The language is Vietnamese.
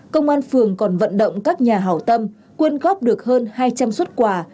công an phường còn vận động các nhà hảo tâm quyên góp được hơn hai trăm linh xuất quà